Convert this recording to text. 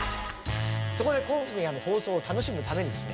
そこで今夜の放送を楽しむためにですね